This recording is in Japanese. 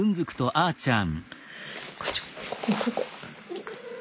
あーちゃん